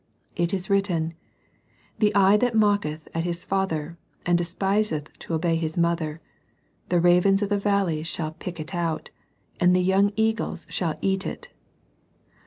It is written, —" The eye that mocketh at his father, and despiseth to obey his mother, the ravens of the valley shall pick it out, and the young eagles shall eat it."